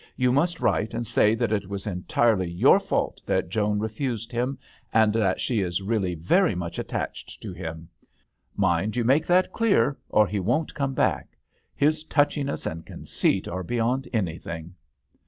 You must write and say that it was entirely your fault that Joan refused him, and that she is really very much f 6o THE h6tel d'anglbterrb. attached to him. Mind you make that clear, or he won't come back. His touchiness and conceit are beyond anything."